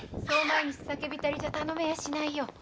そう毎日酒びたりじゃ頼めやしないよ。